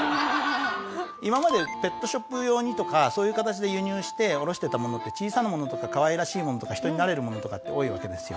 今までペットショップ用にとかそういう形で輸入して卸してたものって小さなものとか可愛らしいものとか人になれるものとかって多いわけですよ。